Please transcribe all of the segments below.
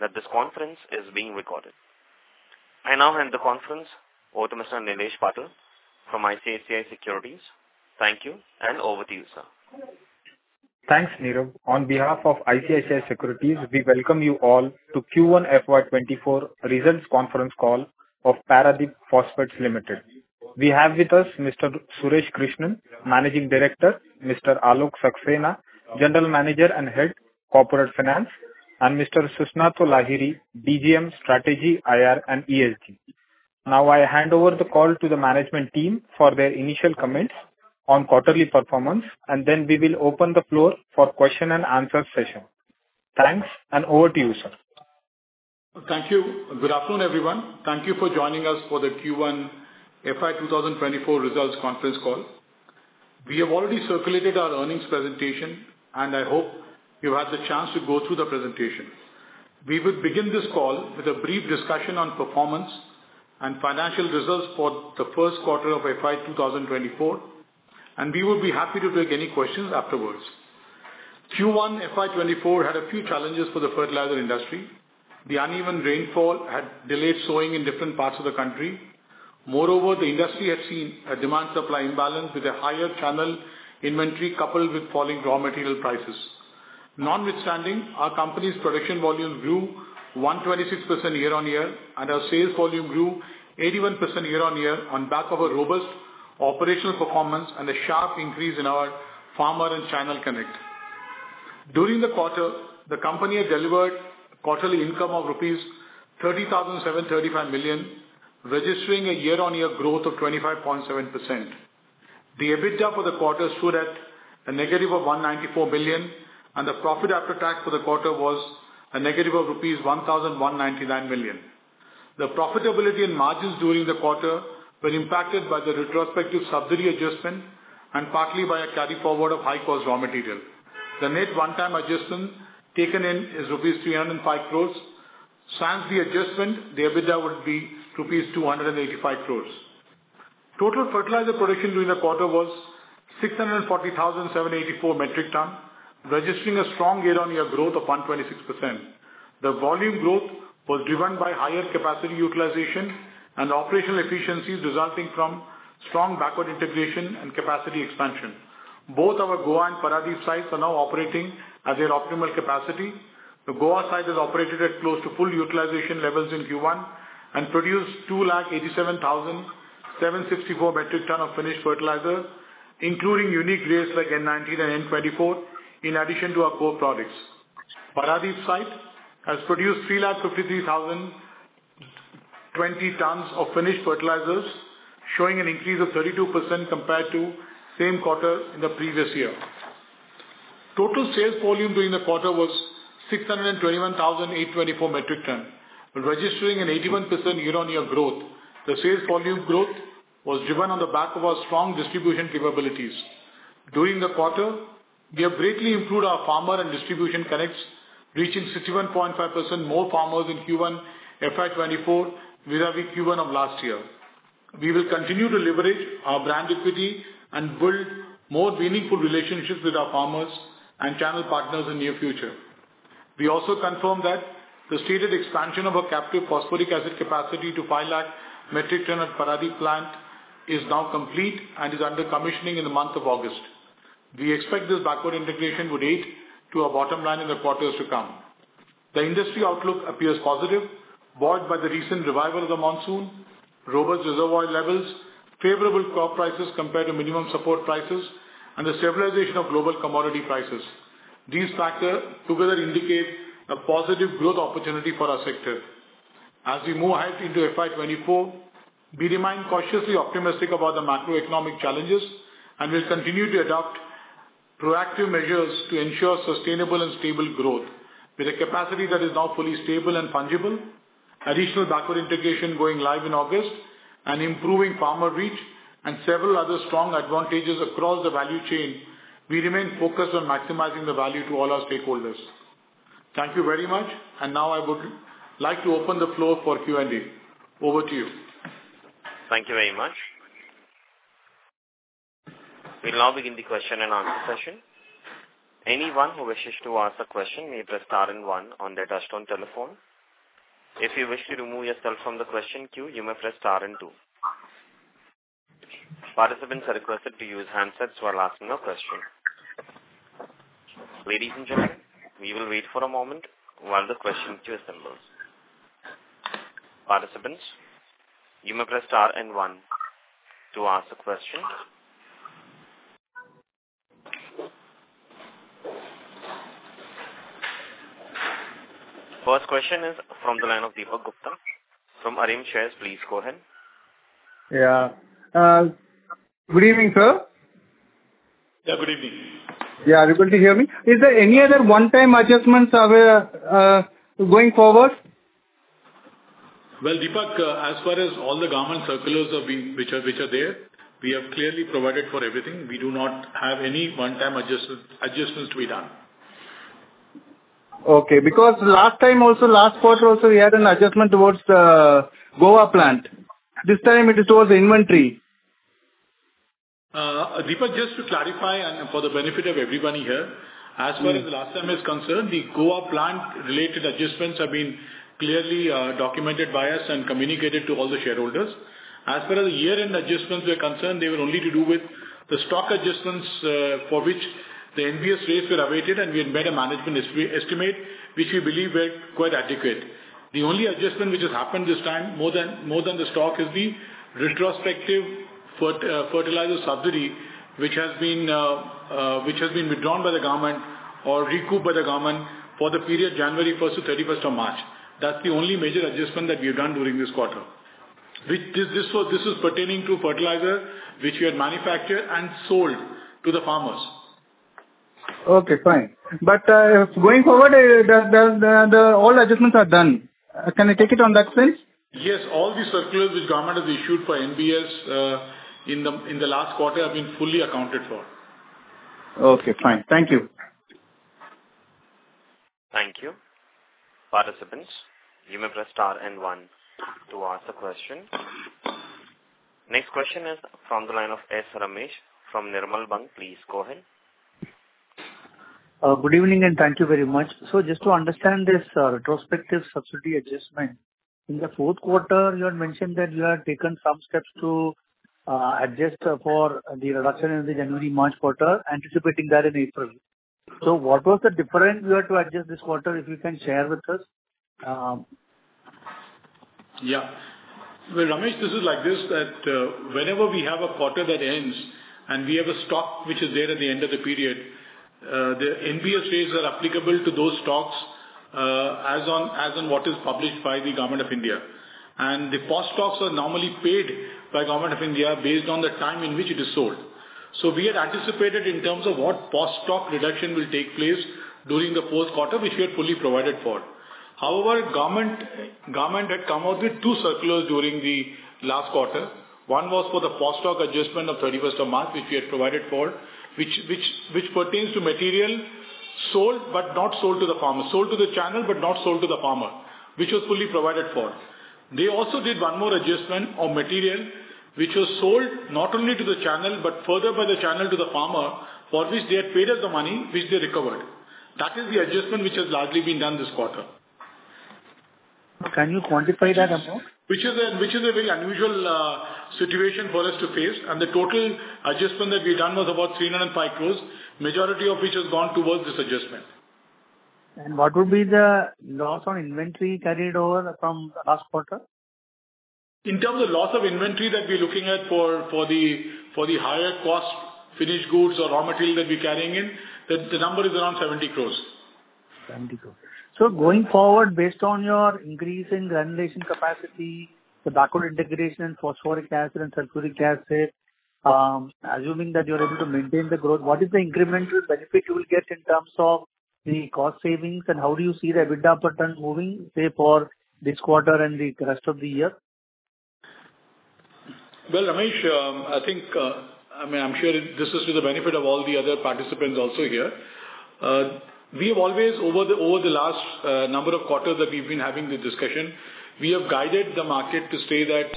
That this conference is being recorded. I now hand the conference over to Mr. Nilesh Patil from ICICI Securities. Thank you, and over to you, sir. Thanks, Nirav. On behalf of ICICI Securities, we welcome you all to Q1 FY24 results conference call of Paradip Phosphates Limited. We have with us Mr. Suresh Krishnan, Managing Director, Mr. Alok Saxena, General Manager and Head, Corporate Finance, and Mr. Susnato Lahiri, JGM, Strategy, IR, and ESG. Now I hand over the call to the management team for their initial comments on quarterly performance, and then we will open the floor for question and answer session. Thanks, and over to you, sir. Thank you. Good afternoon, everyone. Thank you for joining us for the Q1 FY 2024 results conference call. We have already circulated our earnings presentation, and I hope you had the chance to go through the presentation. We will begin this call with a brief discussion on performance and financial results for the first quarter of FY 2024, and we will be happy to take any questions afterwards. Q1 FY 2024 had a few challenges for the fertilizer industry. The uneven rainfall had delayed sowing in different parts of the country. Moreover, the industry had seen a demand-supply imbalance with a higher channel inventory coupled with falling raw material prices. Notwithstanding, our company's production volume grew 126% year-on-year, and our sales volume grew 81% year-on-year on back of a robust operational performance and a sharp increase in our farmer and channel connect. During the quarter, the company had delivered quarterly income of rupees 30,735 million, registering a year-on-year growth of 25.7%. The EBITDA for the quarter stood at -194 billion, and the profit after tax for the quarter was -1,199 million rupees. The profitability and margins during the quarter were impacted by the retrospective subsidy adjustment and partly by a carry-forward of high-cost raw material. The net one-time adjustment taken in is rupees 305 crore. Sans the adjustment, the EBITDA would be rupees 285 crore. Total fertilizer production during the quarter was 640,784 metric tons, registering a strong year-on-year growth of 126%. The volume growth was driven by higher capacity utilization and operational efficiencies resulting from strong backward integration and capacity expansion. Both our Goa and Paradip sites are now operating at their optimal capacity. The Goa site is operated at close to full utilization levels in Q1 and produced 287,764 metric tons of finished fertilizer, including unique grades like N-19 and N-24, in addition to our core products. Paradip site has produced 353,020 tons of finished fertilizers, showing an increase of 32% compared to same quarter in the previous year. Total sales volume during the quarter was 621,824 metric tons, registering an 81% year-on-year growth. The sales volume growth was driven on the back of our strong distribution capabilities. During the quarter, we have greatly improved our farmer and distribution connects, reaching 61.5% more farmers in Q1 FY2024, vis-à-vis Q1 of last year. We will continue to leverage our brand equity and build more meaningful relationships with our farmers and channel partners in near future. We also confirm that the stated expansion of our captive phosphoric acid capacity to 5 lakh metric ton at Paradip plant is now complete and is under commissioning in the month of August. We expect this backward integration would aid to our bottom line in the quarters to come. The industry outlook appears positive, buoyed by the recent revival of the monsoon, robust reservoir levels, favorable crop prices compared to minimum support prices, and the stabilization of global commodity prices. These factors together indicate a positive growth opportunity for our sector. As we move ahead into FY 2024, we remain cautiously optimistic about the macroeconomic challenges, and we'll continue to adopt proactive measures to ensure sustainable and stable growth. With a capacity that is now fully stable and fungible, additional backward integration going live in August, and improving farmer reach, and several other strong advantages across the value chain, we remain focused on maximizing the value to all our stakeholders. Thank you very much, and now I would like to open the floor for Q&A. Over to you. Thank you very much. We'll now begin the question and answer session. Anyone who wishes to ask a question may press star and one on their touchtone telephone. If you wish to remove yourself from the question queue, you may press star and two. Participants are requested to use handsets while asking a question. Ladies and gentlemen, we will wait for a moment while the question queue assembles. Participants, you may press star and one to ask a question. First question is from the line of Deepak Gupta from Arham Share Consultants. Please go ahead. Yeah. Good evening, sir. Yeah, good evening. Yeah, are you able to hear me? Is there any other one-time adjustments, going forward? Well, Deepak, as far as all the government circulars have been, which are there, we have clearly provided for everything. We do not have any one-time adjustments to be done. Okay, because last time also, last quarter also, we had an adjustment towards, Goa plant. This time it is towards the inventory. ...Deepak, just to clarify and for the benefit of everybody here, as far as the last time is concerned, the Goa plant related adjustments have been clearly, documented by us and communicated to all the shareholders. As per as the year-end adjustments were concerned, they were only to do with the stock adjustments, for which the NBS rates were awaited, and we embed a management estimate, which we believe were quite adequate. The only adjustment which has happened this time, more than, more than the stock, is the retrospective fertilizer subsidy, which has been, which has been withdrawn by the government or recouped by the government for the period January first to thirty-first of March. That's the only major adjustment that we have done during this quarter. This is pertaining to fertilizer, which we had manufactured and sold to the farmers. Okay, fine. But going forward, the all adjustments are done. Can I take it on that sense? Yes, all the circulars which government has issued for NBS in the last quarter have been fully accounted for. Okay, fine. Thank you. Thank you. Participants, you may press star and one to ask the question. Next question is from the line of S Ramesh from Nirmal Bang. Please go ahead. Good evening, and thank you very much. So just to understand this, retrospective subsidy adjustment, in the fourth quarter, you had mentioned that you had taken some steps to, adjust for the reduction in the January-March quarter, anticipating that in April. So what was the difference you had to adjust this quarter, if you can share with us? Yeah. Well, Ramesh, this is like this, that, whenever we have a quarter that ends and we have a stock which is there at the end of the period, the NBS rates are applicable to those stocks, as on what is published by the Government of India. And the POS stocks are normally paid by Government of India based on the time in which it is sold. So we had anticipated in terms of what POS stock reduction will take place during the fourth quarter, which we had fully provided for. However, government had come out with two circulars during the last quarter. One was for the POS stock adjustment of thirty-first of March, which we had provided for, which pertains to material sold, but not sold to the farmer. Sold to the channel, but not sold to the farmer, which was fully provided for. They also did one more adjustment on material which was sold not only to the channel, but further by the channel to the farmer, for which they had paid us the money which they recovered. That is the adjustment which has largely been done this quarter. Can you quantify that amount? Which is a very unusual situation for us to face, and the total adjustment that we've done was about 305 crore, majority of which has gone towards this adjustment. What would be the loss on inventory carried over from last quarter? In terms of loss of inventory that we're looking at for the higher cost finished goods or raw material that we're carrying in, the number is around 70 crore. 70 crore. So going forward, based on your increase in granulation capacity, the backward integration, phosphoric acid and sulfuric acid, assuming that you're able to maintain the growth, what is the incremental benefit you will get in terms of the cost savings, and how do you see the EBITDA patterns moving, say, for this quarter and the rest of the year? Well, Ramesh, I think, I mean, I'm sure this is to the benefit of all the other participants also here. We have always over the, over the last, number of quarters that we've been having this discussion, we have guided the market to say that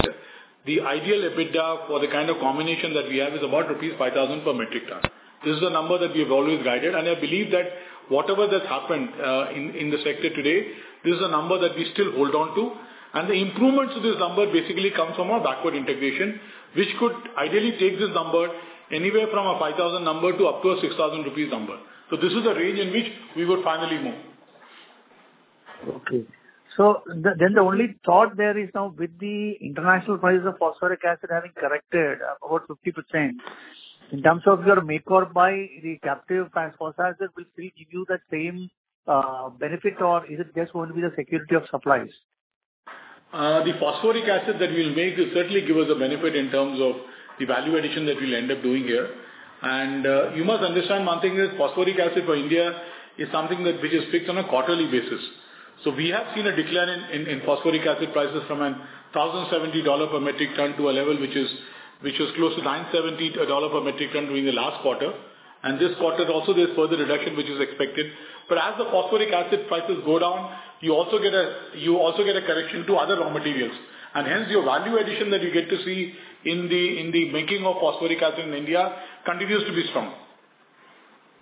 the ideal EBITDA for the kind of combination that we have is about rupees 5,000 per metric ton. This is the number that we have always guided, and I believe that whatever has happened, in, in the sector today, this is a number that we still hold on to. And the improvements to this number basically come from our backward integration, which could ideally take this number anywhere from 5,000 to up to 6,000 rupees. So this is the range in which we would finally move. Okay. So then the only thought there is now with the international prices of phosphoric acid having corrected about 50%, in terms of your make or buy, the captive phosphoric acid will still give you that same benefit, or is it just going to be the security of supplies? The phosphoric acid that we'll make will certainly give us a benefit in terms of the value addition that we'll end up doing here. And, you must understand one thing, is phosphoric acid for India is something that, which is fixed on a quarterly basis. So we have seen a decline in phosphoric acid prices from $1,070 per metric ton to a level which is, which was close to $970 per metric ton during the last quarter. And this quarter is also there's further reduction, which is expected. But as the phosphoric acid prices go down, you also get a correction to other raw materials, and hence, your value addition that you get to see in the making of phosphoric acid in India continues to be strong.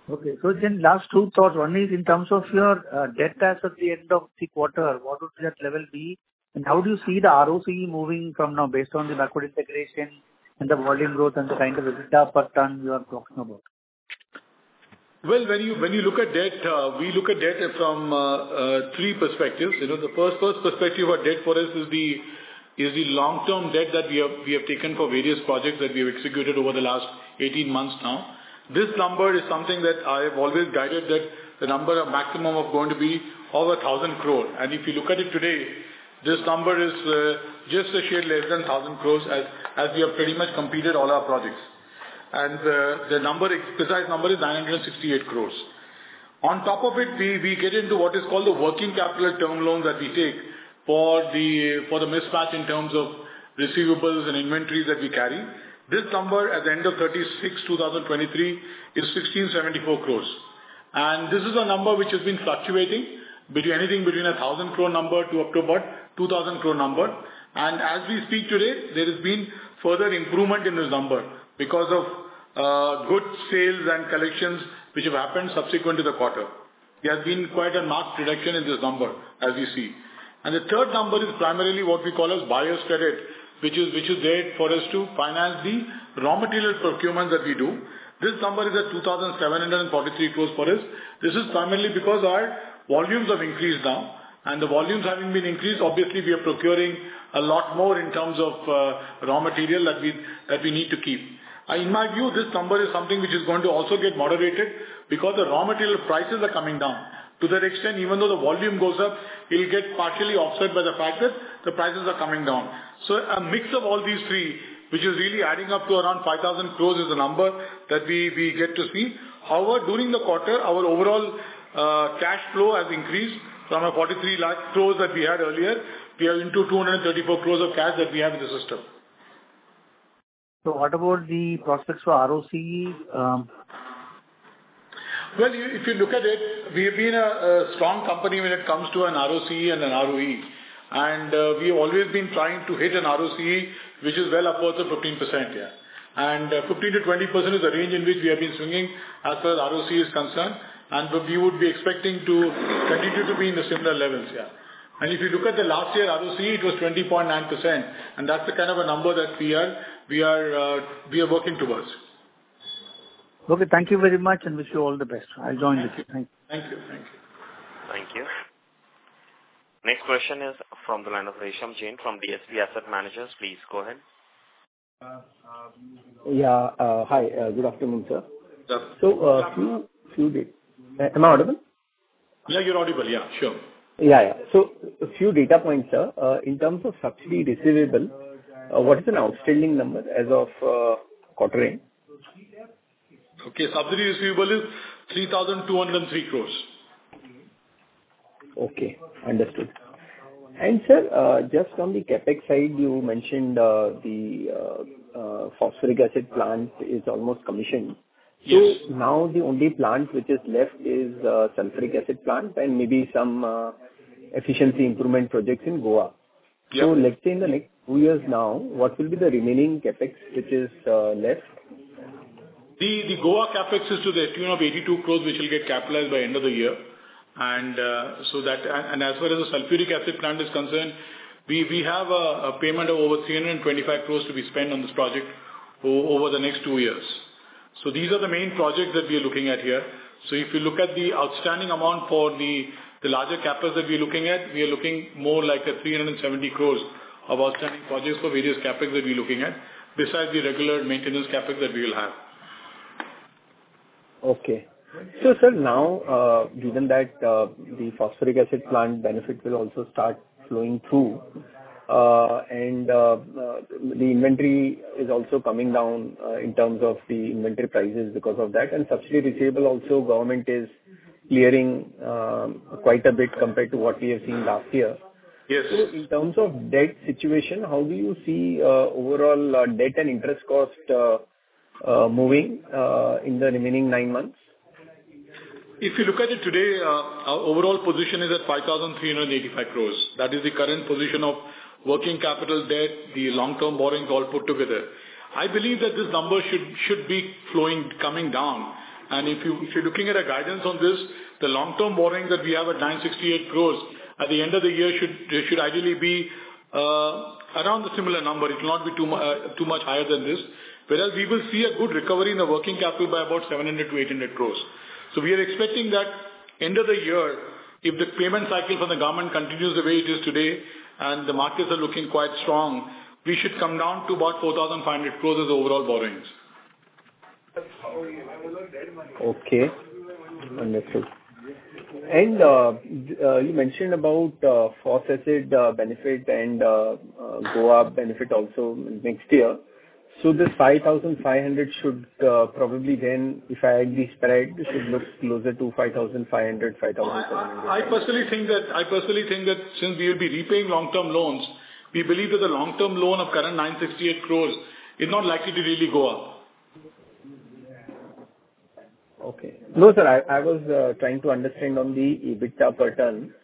Okay. So then last two thoughts. One is in terms of your debt as at the end of the quarter, what would that level be? And how do you see the ROC moving from now based on the backward integration and the volume growth and the kind of EBITDA per ton you are talking about? Well, when you, when you look at debt, we look at debt from three perspectives. You know, the first, first perspective of debt for us is the, is the long-term debt that we have, we have taken for various projects that we have executed over the last 18 months now. This number is something that I have always guided, that the number of maximum are going to be over 1,000 crore. And if you look at it today, this number is just a shade less than 1,000 crores, as we have pretty much completed all our projects. And, the precise number is 968 crores. On top of it, we, we get into what is called the working capital term loan that we take for the, for the mismatch in terms of receivables and inventories that we carry. This number at the end of 30th June, 2023, is 1,674 crore. This is a number which has been fluctuating between anything between 1,000 crore to up to about 2,000 crore. As we speak today, there has been further improvement in this number because of good sales and collections, which have happened subsequent to the quarter. There has been quite a marked reduction in this number, as you see. The third number is primarily what we call as buyer's credit, which is there for us to finance the raw material procurement that we do. This number is at 2,743 crore for us. This is primarily because our volumes have increased now, and the volumes having been increased, obviously, we are procuring a lot more in terms of raw material that we need to keep. In my view, this number is something which is going to also get moderated because the raw material prices are coming down. To that extent, even though the volume goes up, it'll get partially offset by the fact that the prices are coming down. So a mix of all these three, which is really adding up to around 5,000 crore, is the number that we get to see. However, during the quarter, our overall cash flow has increased from a 43 crore that we had earlier. We are into 234 crore of cash that we have in the system. What about the prospects for ROCE? Well, if you look at it, we have been a strong company when it comes to an ROCE and an ROE, and we've always been trying to hit an ROCE, which is well upwards of 15%, yeah. And 15%-20% is the range in which we have been swinging as far as ROCE is concerned, and we would be expecting to continue to be in the similar levels, yeah. And if you look at the last year, ROCE, it was 20.9%, and that's the kind of a number that we are working towards. Okay, thank you very much, and wish you all the best. I'll join the queue. Thank you. Thank you. Thank you. Thank you. Next question is from the line of Resham Jain from DSP Asset Managers. Please go ahead. Yeah, hi, good afternoon, sir. Yes. Am I audible? Yeah, you're audible. Yeah, sure. Yeah, yeah. A few data points, sir. In terms of subsidy receivable, what is an outstanding number as of quarter end? Okay, subsidy receivable is 3,203 crore. Okay, understood. Sir, just on the CapEx side, you mentioned the phosphoric acid plant is almost commissioned. Yes. So now the only plant which is left is sulfuric acid plant and maybe some efficiency improvement projects in Goa. Yes. Let's say in the next two years now, what will be the remaining CapEx, which is left? The Goa CapEx is to the tune of 82 crore, which will get capitalized by end of the year. And as far as the sulfuric acid plant is concerned, we have a payment of over 325 crore to be spent on this project over the next two years. So these are the main projects that we are looking at here. So if you look at the outstanding amount for the larger CapEx that we're looking at, we are looking more like 370 crore of outstanding projects for various CapEx that we're looking at, besides the regular maintenance CapEx that we will have. Okay. So, sir, now, given that, the phosphoric acid plant benefit will also start flowing through, and the inventory is also coming down in terms of the inventory prices because of that, and subsidy receivable also. Government is clearing quite a bit compared to what we have seen last year. Yes. So in terms of debt situation, how do you see overall debt and interest cost moving in the remaining nine months? If you look at it today, our overall position is at 5,385 crore. That is the current position of working capital debt, the long-term borrowings all put together. I believe that this number should, should be flowing, coming down. And if you, if you're looking at a guidance on this, the long-term borrowing that we have at 968 crore, at the end of the year should, they should ideally be, around a similar number. It will not be too much higher than this. Whereas we will see a good recovery in the working capital by about 700-800 crore. We are expecting that end of the year, if the payment cycle from the government continues the way it is today, and the markets are looking quite strong, we should come down to about 4,500 crore as overall borrowings. Okay. Understood. And, you mentioned about, phosphoric benefit and, Goa benefit also next year. So this 5,500 should, probably then, if I add the spread, it should look closer to 5,500-5,700- I personally think that since we will be repaying long-term loans, we believe that the current long-term loan of 968 crore is not likely to really go up. Okay. No, sir, I was trying to understand on the EBITDA per ton. Yeah.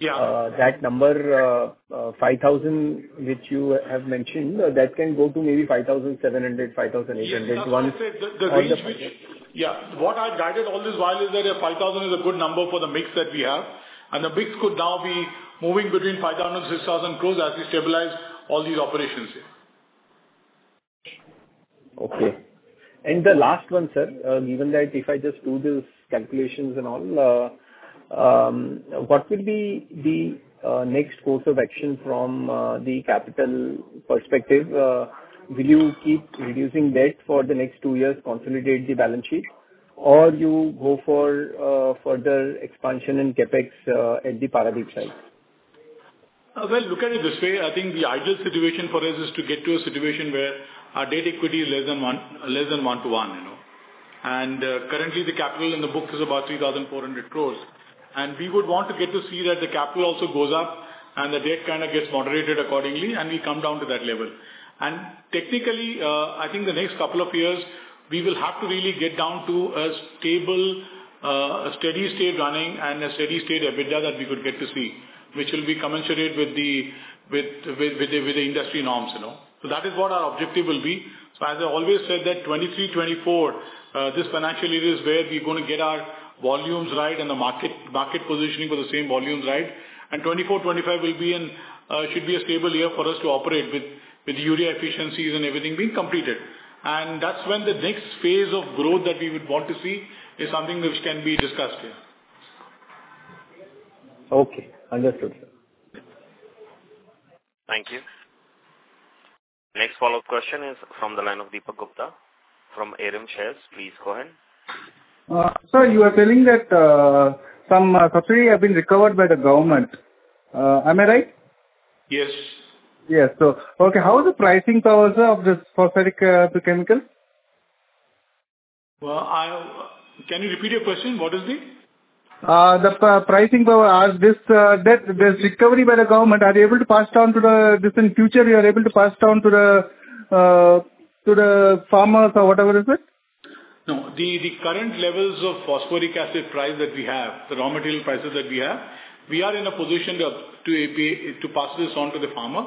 That number, 5,000, which you have mentioned, that can go to maybe 5,700-5,800- Yes, as I said, the range- And the- Yeah. What I've guided all this while is that 5,000 crore is a good number for the mix that we have, and the mix could now be moving between 5,000-6,000 crore as we stabilize all these operations. Okay. The last one, sir, given that if I just do this calculations and all, what will be the next course of action from the capital perspective? Will you keep reducing debt for the next two years, consolidate the balance sheet, or you go for further expansion in CapEx at the Paradip side? Well, look at it this way: I think the ideal situation for us is to get to a situation where our debt equity is less than one, less than one to one, you know. Currently, the capital in the books is about 3,400 crore. We would want to get to see that the capital also goes up, and the debt kind of gets moderated accordingly, and we come down to that level. Technically, I think the next couple of years, we will have to really get down to a stable, a steady state running and a steady state EBITDA that we could get to see, which will be commensurate with the industry norms, you know. So that is what our objective will be. As I always said, that 2023, 2024, this financial year is where we're going to get our volumes right and the market, market positioning for the same volumes right. 2024, 2025 will be in, should be a stable year for us to operate with, with urea efficiencies and everything being completed. That's when the next phase of growth that we would want to see is something which can be discussed here. Okay, understood. Thank you. Next follow-up question is from the line of Deepak Gupta from Arham Share Consultants. Please go ahead. Sir, you are telling that some subsidy have been recovered by the government. Am I right? Yes. Yes. So, okay, how is the pricing power of this phosphoric chemical? Well, can you repeat your question? What is it? The pricing power. As this debt, there's recovery by the government, are you able to pass down to the... This, in future, you are able to pass down to the, to the farmers or whatever is it? No. The current levels of phosphoric acid price that we have, the raw material prices that we have, we are in a position to pass this on to the farmer.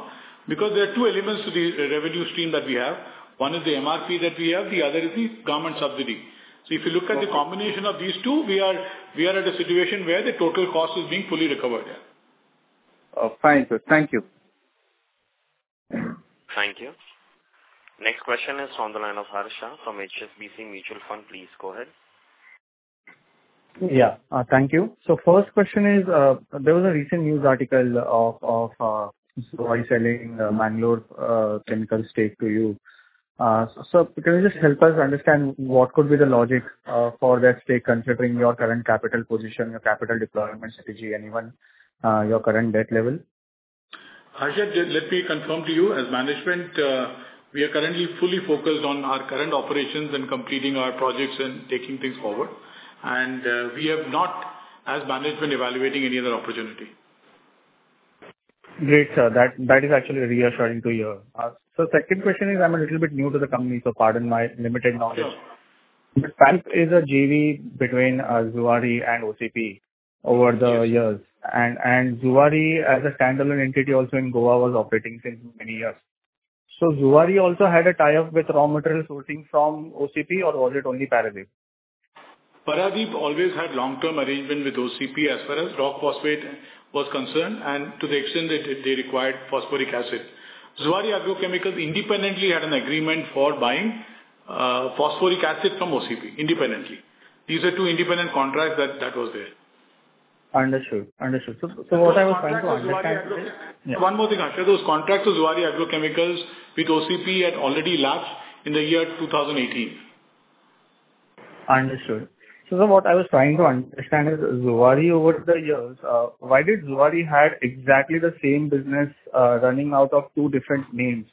Because there are two elements to the revenue stream that we have. One is the MRP that we have, the other is the government subsidy. If you look at the combination of these two, we are at a situation where the total cost is being fully recovered, yeah. Oh, fine, sir. Thank you. Thank you. Next question is on the line of Harsha from HSBC Mutual Fund. Please go ahead. Yeah. Thank you. So first question is, there was a recent news article of Zuari selling Mangalore Chemicals stake to you. So can you just help us understand what could be the logic for that stake, considering your current capital position, your capital deployment strategy, and even your current debt level? Harsha, let me confirm to you, as management, we are currently fully focused on our current operations and completing our projects and taking things forward. We have not, as management, evaluating any other opportunity. Great, sir. That, that is actually reassuring to hear. So second question is, I'm a little bit new to the company, so pardon my limited knowledge. Paradip is a JV between Zuari and OCP over the years. And Zuari, as a standalone entity also in Goa, was operating since many years. So Zuari also had a tie-up with raw material sourcing from OCP, or was it only Paradip? Paradip always had long-term arrangement with OCP as far as rock phosphate was concerned, and to the extent that they required phosphoric acid. Zuari Agro Chemicals independently had an agreement for buying phosphoric acid from OCP, independently. These are two independent contracts that, that was there. Understood. Understood. So what I was trying to understand- One more thing, Harsha. Those contracts with Zuari Agro Chemicals, with OCP, had already lapsed in the year 2018. Understood. So what I was trying to understand is, Zuari over the years, why did Zuari had exactly the same business, running out of two different names?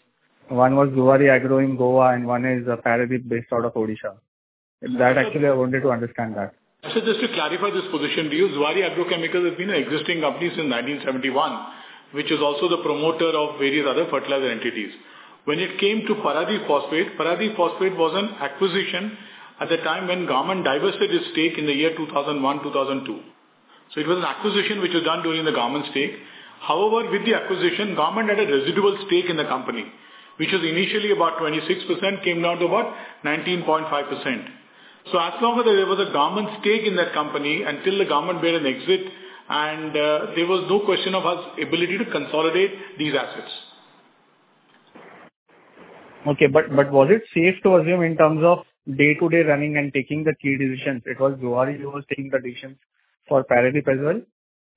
One was Zuari Agro in Goa and one is, Paradip, based out of Odisha. That actually, I wanted to understand that. Harsha, just to clarify this position to you. Zuari Agro Chemicals Limited has been an existing company since 1971, which is also the promoter of various other fertilizer entities. When it came to Paradip Phosphates, Paradip Phosphates was an acquisition at the time when government divested its stake in the year 2001, 2002. So it was an acquisition which was done during the government stake. However, with the acquisition, government had a residual stake in the company, which was initially about 26%, came down to about 19.5%. So as long as there was a government stake in that company, until the government made an exit, and there was no question of us ability to consolidate these assets. Okay. But, but was it safe to assume in terms of day-to-day running and taking the key decisions, it was Zuari who was taking the decisions for Paradip as well?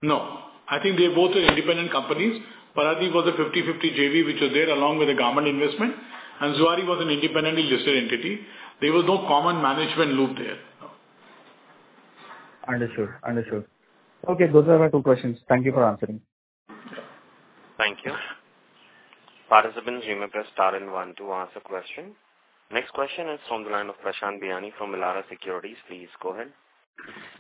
No. I think they both are independent companies. Paradip was a 50/50 JV, which was there along with the government investment, and Zuari was an independently listed entity. There was no common management loop there. Understood. Understood. Okay, those are my two questions. Thank you for answering. Thank you. Participants, you may press star and one to ask a question. Next question is on the line of Prashant Biyani from Elara Securities. Please go ahead.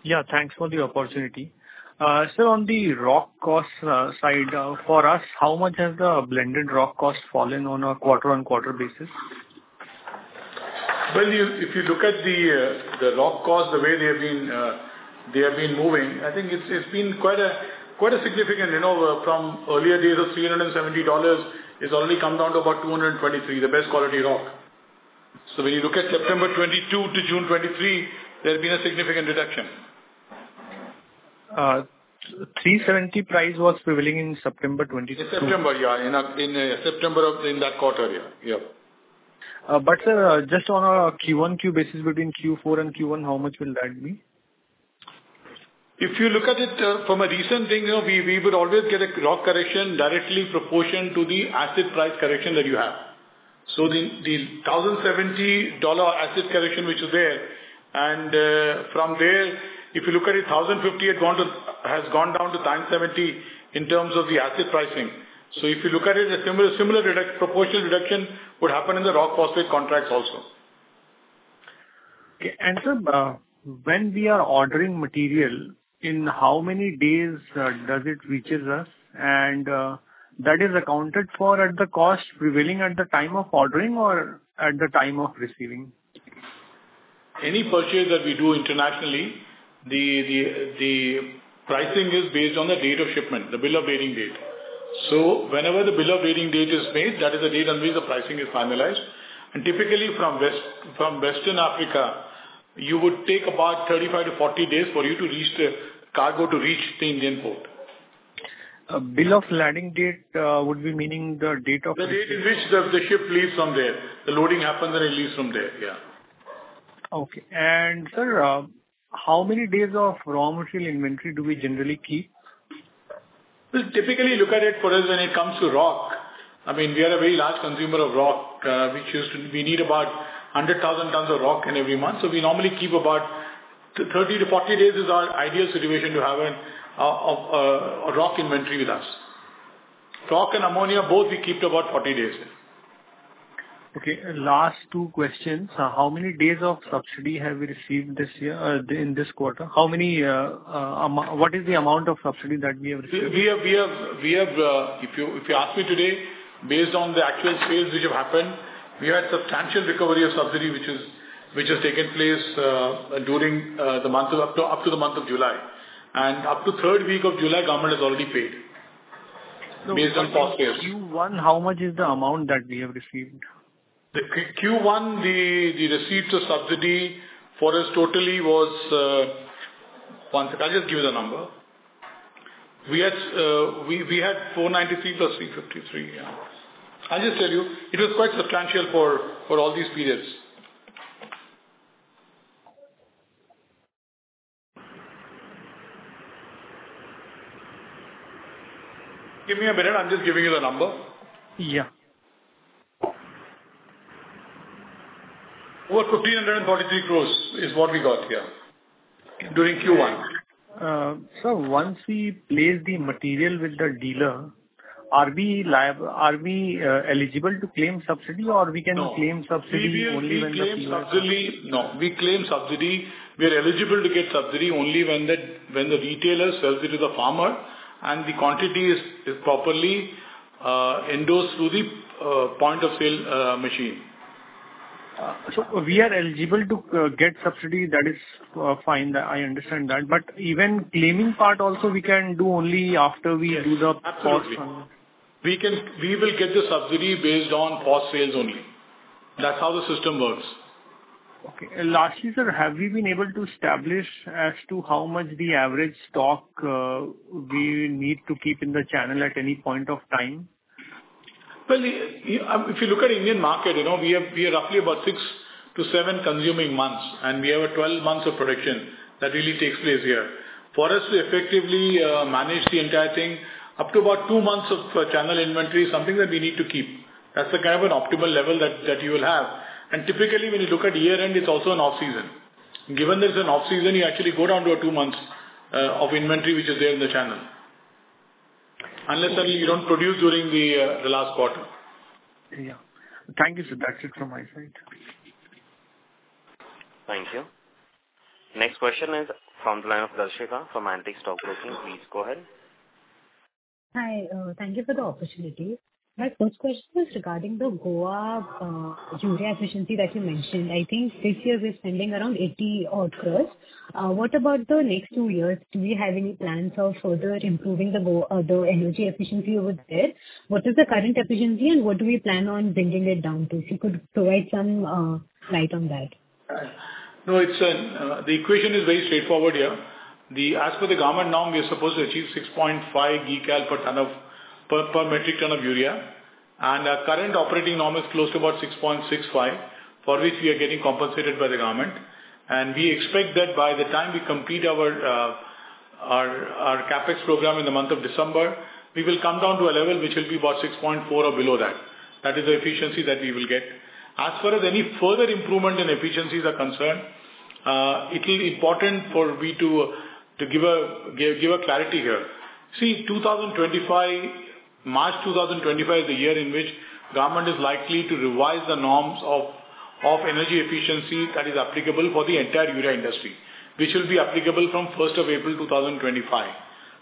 Yeah, thanks for the opportunity. So on the rock cost side, for us, how much has the blended rock cost fallen on a quarter-over-quarter basis? Well, if you, if you look at the rock cost, the way they have been moving, I think it's been quite a significant, you know, from earlier days of $370, it's already come down to about $223, the best quality rock. So when you look at September 2022 to June 2023, there has been a significant reduction. 370 price was prevailing in September 2022. September, yeah. In, in September of, in that quarter. Yeah, yeah. But, sir, just on a Q-on-Q basis, between Q4 and Q1, how much will that be? If you look at it, from a recent thing, you know, we, we would always get a rock correction directly in proportion to the acid price correction that you have. So the $1,070 acid correction, which is there, and, from where, if you look at it, 1,050 had gone to - has gone down to 970 in terms of the acid pricing. So if you look at it, a similar, similar proportional reduction would happen in the rock phosphate contracts also.... Okay, and sir, when we are ordering material, in how many days does it reaches us? And, that is accounted for at the cost prevailing at the time of ordering or at the time of receiving? Any purchase that we do internationally, the pricing is based on the date of shipment, the bill of lading date. So whenever the bill of lading date is made, that is the date on which the pricing is finalized. And typically, from West Africa, you would take about 35-40 days for the cargo to reach the Indian port. Bill of Lading date would be meaning the date of- The date in which the ship leaves from there. The loading happens, and it leaves from there, yeah. Okay. And sir, how many days of raw material inventory do we generally keep? We typically look at it for us when it comes to rock. I mean, we are a very large consumer of rock, which is, we need about 100,000 tons of rock in every month. So we normally keep about 30-40 days is our ideal situation to have a rock inventory with us. Rock and ammonia, both, we keep about 40 days. Okay, last two questions. How many days of subsidy have we received this year, in this quarter? How many, what is the amount of subsidy that we have received? We have, if you ask me today, based on the actual sales which have happened, we had substantial recovery of subsidy, which has taken place during the month up to the month of July. Up to the third week of July, government has already paid based on POS sales. Q1, how much is the amount that we have received? In Q1, the total receipts of subsidy for us was. One second, I'll just give you the number. We had 493 plus 353, yeah. I'll just tell you, it was quite substantial for all these periods. Give me a minute. I'm just giving you the number. Yeah. Well, so 343 crore is what we got here during Q1. So once we place the material with the dealer, are we eligible to claim subsidy, or we can- No. claim subsidy only when the We claim subsidy. No, we claim subsidy. We are eligible to get subsidy only when the retailer sells it to the farmer and the quantity is properly endorsed through the point of sale machine. So we are eligible to get subsidy. That is fine. I understand that. But even claiming part also, we can do only after we do the- Yes, absolutely. -POS. We can, we will get the subsidy based on POS sales only. That's how the system works. Okay. And lastly, sir, have we been able to establish as to how much the average stock we need to keep in the channel at any point of time? Well, if you look at Indian market, you know, we have, we are roughly about 6-7 consuming months, and we have a 12 months of production that really takes place here. For us to effectively, manage the entire thing, up to about 2 months of, channel inventory, something that we need to keep. That's the kind of an optimal level that, that you will have. And typically, when you look at year-end, it's also an off-season. Given there's an off-season, you actually go down to a 2 months, of inventory, which is there in the channel. Unless only you don't produce during the, the last quarter. Yeah. Thank you, sir. That's it from my side. Thank you. Next question is from the line of Darshika from Antique Stock Broking. Please go ahead. Hi, thank you for the opportunity. My first question is regarding the Goa urea efficiency that you mentioned. I think this year we're spending around 80-odd crores. What about the next two years? Do we have any plans of further improving the Goa the energy efficiency over there? What is the current efficiency, and what do we plan on bringing it down to? If you could provide some light on that. No, it's the equation is very straightforward here. As per the government norm, we are supposed to achieve 6.5 Gcal per metric ton of urea. And our current operating norm is close to about 6.65, for which we are getting compensated by the government. And we expect that by the time we complete our CapEx program in the month of December, we will come down to a level which will be about 6.4 or below that. That is the efficiency that we will get. As far as any further improvement in efficiencies are concerned, it will be important for we to give a clarity here. See, 2025, March 2025, is the year in which government is likely to revise the norms of energy efficiency that is applicable for the entire urea industry, which will be applicable from April 1, 2025.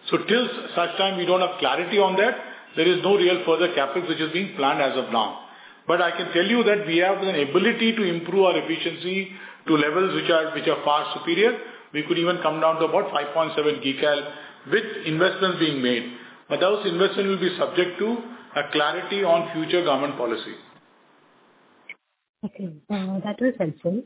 So till such time, we don't have clarity on that, there is no real further CapEx which is being planned as of now. But I can tell you that we have an ability to improve our efficiency to levels which are far superior. We could even come down to about 5.7 Gcal with investments being made, but those investments will be subject to a clarity on future government policy. Okay, that was helpful.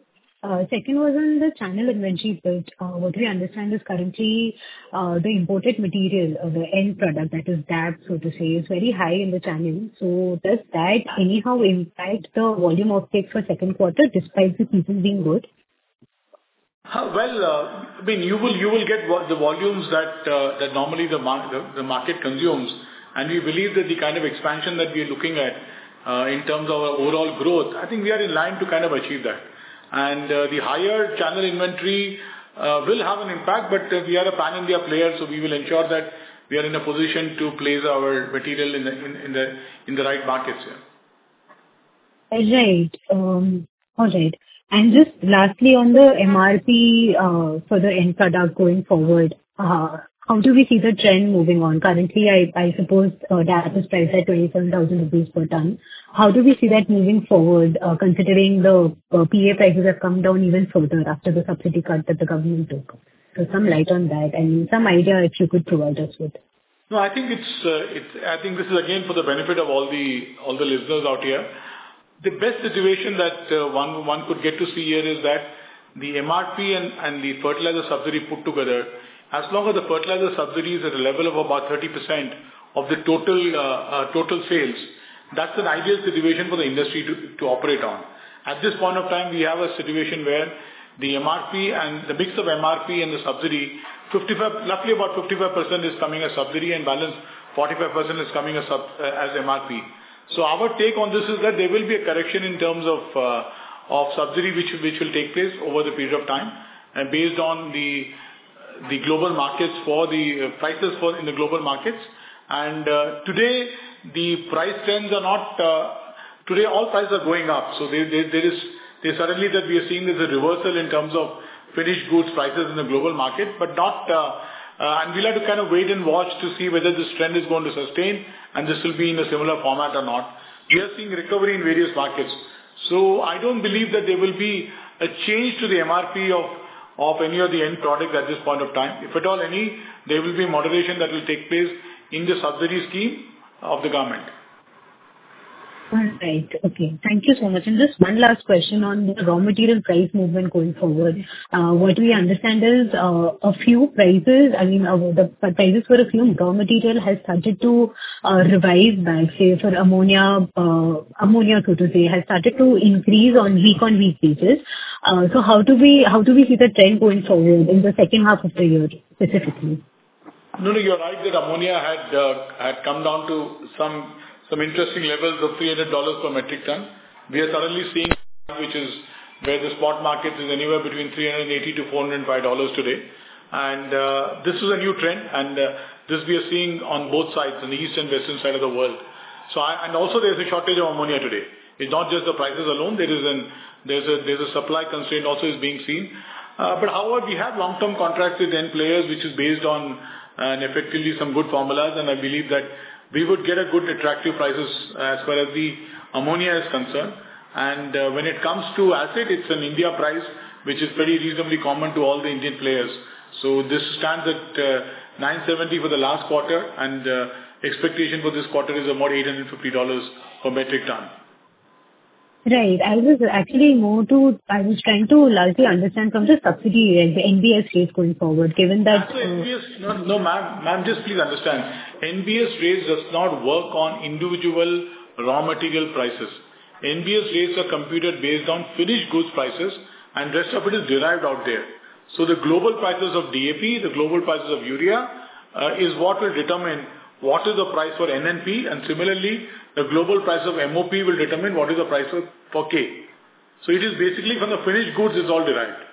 Second was on the channel inventory build. What we understand is currently, the imported material or the end product, that is that, so to say, is very high in the channel. So does that anyhow impact the volume offtake for second quarter, despite the season being good? Well, I mean, you will get the volumes that normally the market consumes, and we believe that the kind of expansion that we are looking at in terms of our overall growth, I think we are in line to kind of achieve that. The higher channel inventory will have an impact, but we are a pan-India player, so we will ensure that we are in a position to place our material in the right markets, yeah. All right. All right. And just lastly, on the MRP, for the end product going forward, how do we see the trend moving on? Currently, I suppose, DAP is priced at 27,000 rupees per ton. How do we see that moving forward, considering the PA prices have come down even further after the subsidy cut that the government took? So some light on that and some idea if you could provide us with. No, I think it's, it's I think this is again for the benefit of all the, all the listeners out here. The best situation that, one, one could get to see here is that the MRP and, and the fertilizer subsidy put together, as long as the fertilizer subsidy is at a level of about 30% of the total, total sales, that's an ideal situation for the industry to, to operate on. At this point of time, we have a situation where the MRP and the mix of MRP and the subsidy, 55, roughly about 55% is coming as subsidy and balance 45% is coming as sub... as MRP. So our take on this is that there will be a correction in terms of of subsidy, which, which will take place over the period of time and based on the the global markets for the prices for in the global markets. And today, the price trends are not today, all prices are going up, so they, they, there is, they suddenly that we are seeing there's a reversal in terms of finished goods prices in the global market, but not and we'll have to kind of wait and watch to see whether this trend is going to sustain and this will be in a similar format or not. We are seeing recovery in various markets. So I don't believe that there will be a change to the MRP of of any of the end products at this point of time. If at all any, there will be a moderation that will take place in the subsidy scheme of the government. All right. Okay, thank you so much. Just one last question on the raw material price movement going forward. What we understand is, a few prices, I mean, the prices for a few raw material has started to revise back, say, for ammonia, ammonia, so to say, has started to increase on week-on-week basis. So how do we, how do we see the trend going forward in the second half of the year, specifically? No, no, you're right that ammonia had had come down to some, some interesting levels of $300 per metric ton. We are suddenly seeing, which is where the spot market is anywhere between $380-$405 today. And this is a new trend, and this we are seeing on both sides, in the east and western side of the world. So I... And also, there's a shortage of ammonia today. It's not just the prices alone. There is a supply constraint also is being seen. But however, we have long-term contracts with end players, which is based on, and effectively some good formulas, and I believe that we would get a good attractive prices as far as the ammonia is concerned. When it comes to acid, it's an India price, which is pretty reasonably common to all the Indian players. This stands at $970 for the last quarter, and expectation for this quarter is about $850 per metric ton. Right. I was trying to largely understand from the subsidy, the NBS rates going forward, given that- As the NBS... No, no, ma'am, ma'am, just please understand. NBS rates does not work on individual raw material prices. NBS rates are computed based on finished goods prices, and rest of it is derived out there. So the global prices of DAP, the global prices of urea, is what will determine what is the price for N and P, and similarly, the global price of MOP will determine what is the price for, for K. So it is basically from the finished goods is all derived.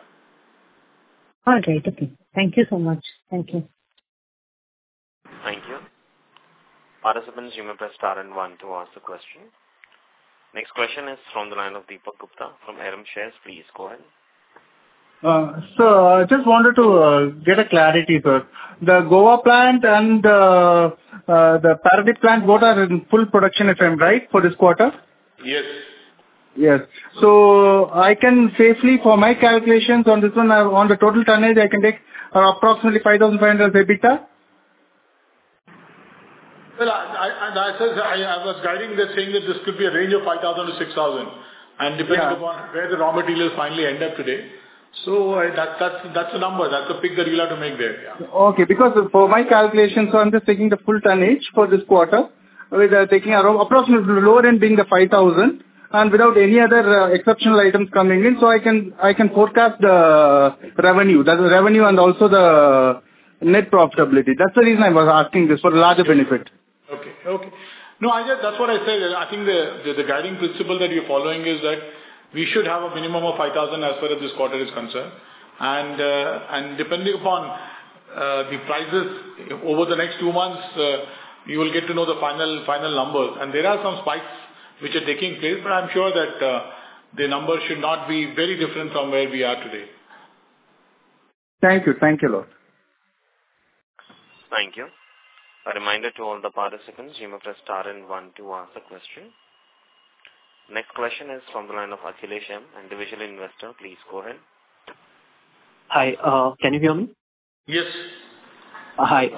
All right. Okay. Thank you so much. Thank you. Thank you. Participants, you may press star and one to ask the question. Next question is from the line of Deepak Gupta from Arham Share. Please go ahead. I just wanted to get a clarity, sir. The Goa plant and the Paradip plant, both are in full production, if I'm right, for this quarter? Yes. Yes. So I can safely, for my calculations on this one, on the total tonnage, I can take approximately 5,500 EBITDA? Well, I said I was guiding this, saying that this could be a range of 5,000-6,000- Yeah. depending upon where the raw materials finally end up today. So that, that's, that's the number, that's the pick that you'll have to make there, yeah. Okay, because for my calculations, so I'm just taking the full tonnage for this quarter. We are taking around approximately lower end being the 5,000 and without any other, exceptional items coming in, so I can, I can forecast the revenue, that revenue and also the net profitability. That's the reason I was asking this for larger benefit. Okay. Okay. No, I just, that's what I said. I think the guiding principle that you're following is that we should have a minimum of 5,000 as far as this quarter is concerned. And depending upon the prices over the next two months, you will get to know the final, final numbers. And there are some spikes which are taking place, but I'm sure that the numbers should not be very different from where we are today. Thank you. Thank you, Lord. Thank you. A reminder to all the participants, you may press star and one to ask the question. Next question is from the line of Akhilesh M, individual investor. Please go ahead. Hi. Can you hear me? Yes. Hi.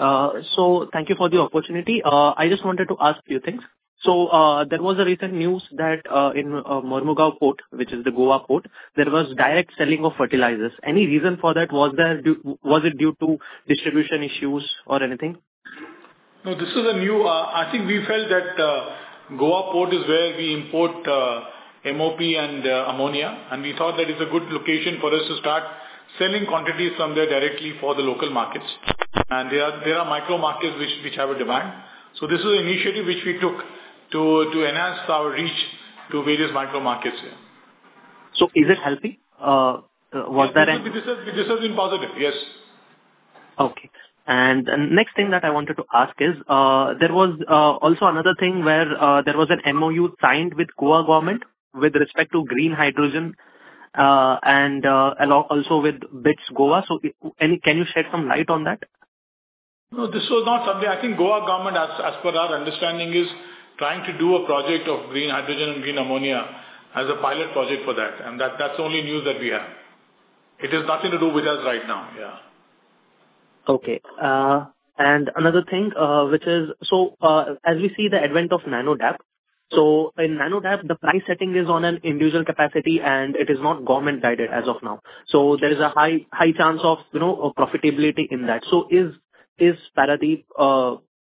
So thank you for the opportunity. I just wanted to ask a few things. So, there was a recent news that, in, Mormugao Port, which is the Goa port, there was direct selling of fertilizers. Any reason for that was there, due, was it due to distribution issues or anything? No, this is a new. I think we felt that Goa port is where we import MOP and ammonia, and we thought that is a good location for us to start selling quantities from there directly for the local markets. And there are micro markets which have a demand. So this is an initiative which we took to enhance our reach to various micro markets, yeah. So is it helping? Was that- It deserves, it deserves being positive, yes. Okay. And next thing that I wanted to ask is, there was also another thing where there was an MOU signed with Goa government with respect to green hydrogen, and along also with BITS Goa. So, can you shed some light on that? No, this was not something... I think Goa government, as per our understanding, is trying to do a project of green hydrogen and green ammonia as a pilot project for that, and that, that's the only news that we have. It has nothing to do with us right now. Yeah. Okay. And another thing, which is, so, as we see the advent of Nano DAP, so in Nano DAP, the price setting is on an individual capacity, and it is not government guided as of now. So there is a high, high chance of, you know, profitability in that. So is Paradip,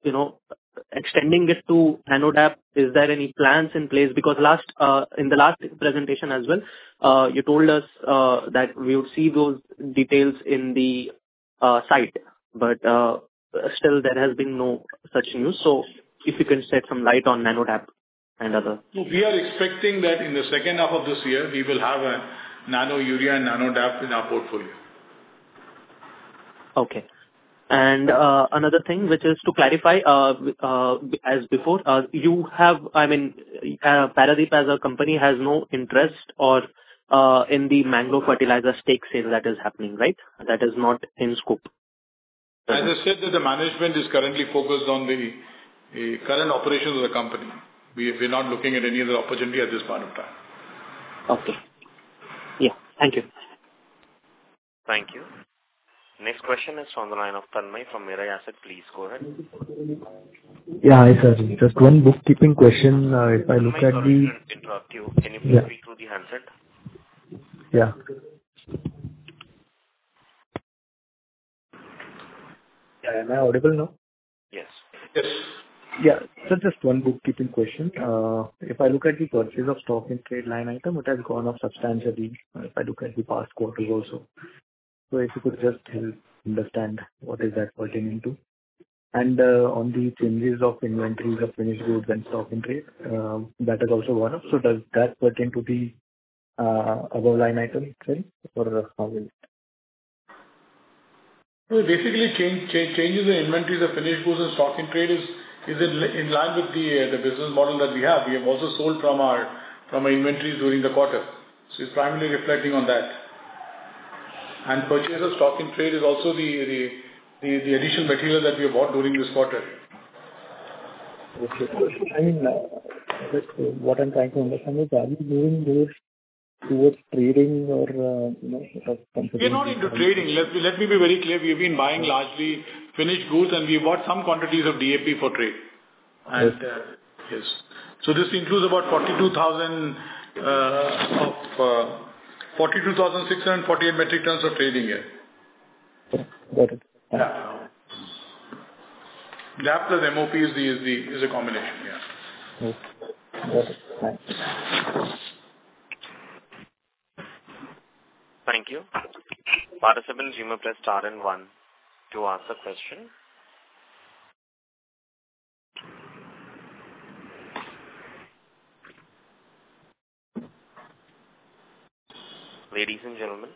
you know, extending it to Nano DAP? Is there any plans in place? Because last, in the last presentation as well, you told us, that we'll see those details in the, site, but, still there has been no such news. So if you can shed some light on Nano DAP and other- We are expecting that in the second half of this year, we will have a Nano Urea, Nano DAP in our portfolio. Okay. And, another thing, which is to clarify, as before, you have, I mean, Paradip as a company has no interest or in the Mangalore Fertilizer stake sale that is happening, right? That is not in scope. As I said, that the management is currently focused on the current operations of the company. We're not looking at any other opportunity at this point of time. Okay. Yeah. Thank you. Thank you. Next question is on the line of Tanmay from Mirae Asset. Please go ahead. Yeah, hi, sir. Just one bookkeeping question. If I look at the- Sorry to interrupt you. Can you please speak through the handset? Yeah. Am I audible now? Yes. Yes. Yeah. So just one bookkeeping question. If I look at the purchase of stock and trade line item, it has gone up substantially, if I look at the past quarters also. So if you could just help understand what is that pertaining to. And, on the changes of inventories of finished goods and stock and trade, that has also gone up. So does that pertain to the above line item side or as well? So basically, changes in inventories of finished goods and stock in trade is in line with the business model that we have. We have also sold from our inventories during the quarter, so it's primarily reflecting on that. And purchase of stock in trade is also the additional material that we bought during this quarter. Okay. I mean, what I'm trying to understand is, are you doing this towards trading or, you know, for consumption? We're not into trading. Let me, let me be very clear. We've been buying largely finished goods, and we bought some quantities of DAP for trade. Yes. Yes. This includes about 42,000 of 42,648 metric tons of trading, yeah. Got it. Yeah. DAP and MOP is a combination. Yeah. Okay. Got it. Thank you. Thank you. Participants, you may press star and one to ask a question. Ladies and gentlemen,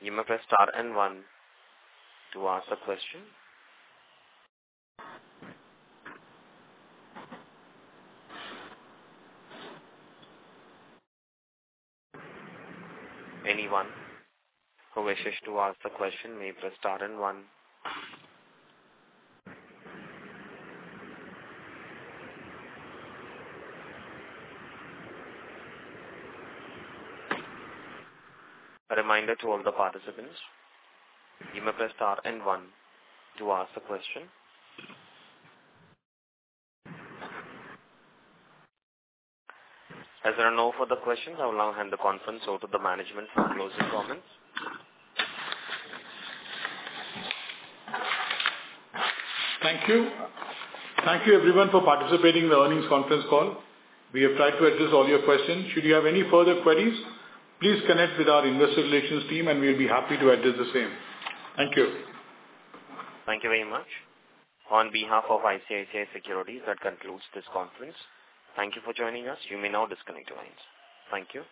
you may press star and one to ask a question. Anyone who wishes to ask the question may press star and one. A reminder to all the participants, you may press star and one to ask the question. As there are no further questions, I will now hand the conference over to the management for closing comments. Thank you. Thank you, everyone, for participating in the earnings conference call. We have tried to address all your questions. Should you have any further queries, please connect with our investor relations team, and we'll be happy to address the same. Thank you. Thank you very much. On behalf of ICICI Securities, that concludes this conference. Thank you for joining us. You may now disconnect your lines. Thank you.